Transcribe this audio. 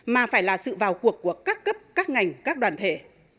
mà phải là sự vào cuộc của các cấp các ngành các đoàn thể